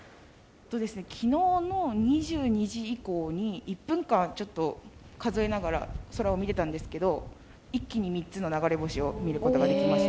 昨日の２２時以降に１分間数えながら空を見てたんですけど、一気に３つの流れ星を見ることができました。